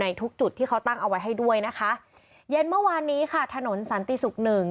ทุกจุดที่เขาตั้งเอาไว้ให้ด้วยนะคะเย็นเมื่อวานนี้ค่ะถนนสันติศุกร์หนึ่ง